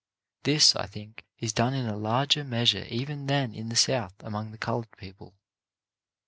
This, I think, is done in a larger measure even than in the South among the coloured people.